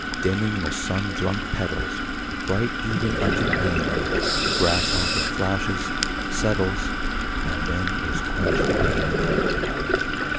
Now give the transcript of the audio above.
Dimming the sun drunk petals, Bright even unto pain, The grasshopper flashes, settles, And then is quenched again.